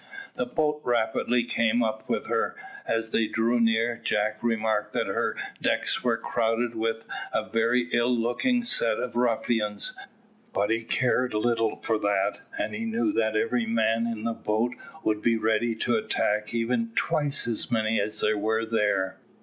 The boat rapidly came up with her. As they drew near, Jack remarked that her decks were crowded with a very ill looking set of ruffians, but he cared little for that, and he knew that every man in the boat would be ready to attack even twice as many as there were there.